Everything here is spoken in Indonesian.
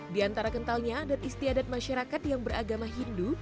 di antara kentalnya adat istiadat masyarakat yang beragama hindu